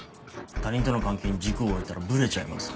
他人との関係に軸を置いたらぶれちゃいます。